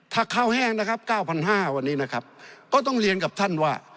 ถ้าข้าวแห้งนะครับ๙๕๐๐วันนี้นะครับก็ต้องเรียนกับท่านว่า